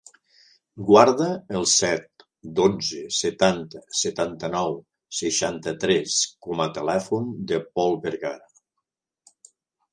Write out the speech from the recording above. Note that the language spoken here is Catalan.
Guarda el set, dotze, setanta, setanta-nou, seixanta-tres com a telèfon del Pol Vegara.